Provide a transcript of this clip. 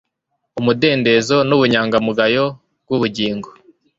Umudendezo nubunyangamugayo bwubugingo